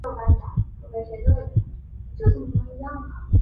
小说揭露了狄更斯时代伦敦大量孤儿的悲惨生活。